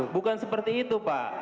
bukan seperti itu pak